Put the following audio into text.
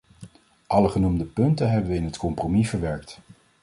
Alle genoemde punten hebben we in het compromis verwerkt.